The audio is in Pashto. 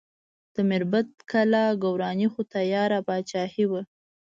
د میربت کلا ګورواني خو تیاره پاچاهي وه.